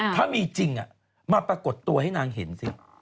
ถ้ามีจริงมาปรากฏตัวให้นางเห็นสิ